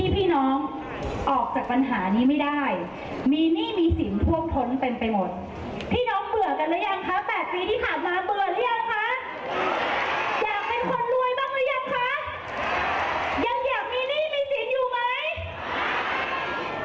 ยังอยากมีหนี้มีสินอยู่ไหม